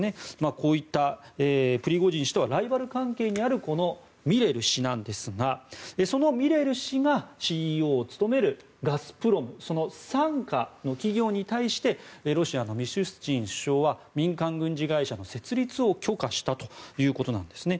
こういったプリゴジン氏とはライバル関係にあるそのミレル氏がＣＥＯを務めるガスプロムの傘下の企業に対してロシアのミシュスチン首相は民間軍事会社の設立を許可したということなんですね。